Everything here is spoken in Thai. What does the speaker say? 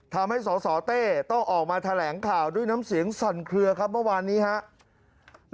สสเต้ต้องออกมาแถลงข่าวด้วยน้ำเสียงสั่นเคลือครับเมื่อวานนี้ครับ